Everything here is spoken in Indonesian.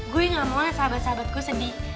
gue gak mau lah sahabat sahabat gue sedih